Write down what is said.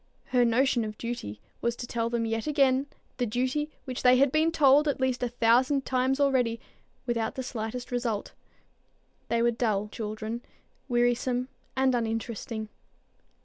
Her notion of duty was to tell them yet again the duty which they had been told at least a thousand times already, without the slightest result. They were dull children, wearisome and uninteresting.